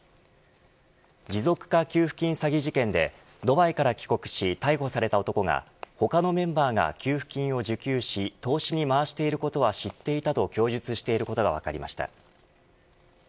持続化給付金詐欺事件でドバイから帰国し逮捕された男が、他のメンバーが給付金を受給し投資にまわしていることは知っていたと供述していることが分かりました。